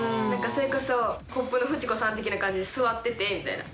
それこそコップのフチ子さん的な感じで座っててみたいな。